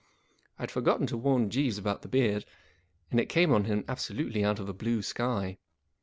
I had forgotten to warn Jeeves about the beard, and it came on him abso¬ lutely out of a blue sky.